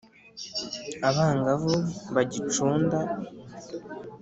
abangavu bagicunda